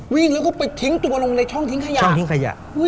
วิ่งแล้วก็ไปทิ้งตุปลงในช่องทิ้งขยะ